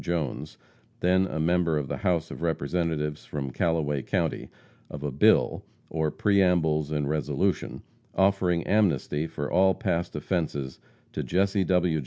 Jones, then a member of the House of Representatives from Callaway county, of a bill, or preambles and resolution, offering amnesty for all past offenses to Jesse W.